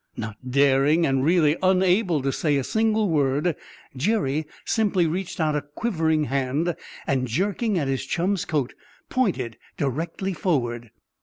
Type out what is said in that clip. Not daring, and really unable, to say a single word, Jerry simply reached out a quivering hand and, jerking at his chum's coat, pointed directly forward.